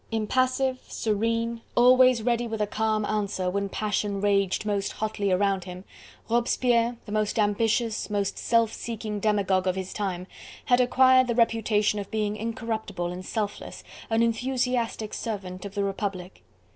Impassive, serene, always ready with a calm answer, when passion raged most hotly around him, Robespierre, the most ambitious, most self seeking demagogue of his time, had acquired the reputation of being incorruptible and selfless, an enthusiastic servant of the Republic.